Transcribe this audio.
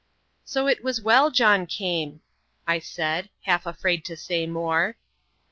"So it was well John came," I said, half afraid to say more.